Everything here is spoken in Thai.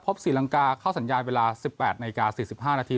ศรีลังกาเข้าสัญญาณเวลา๑๘นาฬิกา๔๕นาที